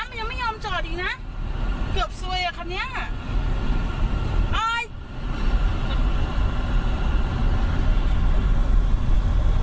เกือบซวยอ่ะคันเนี้ยอ่ะอ้าว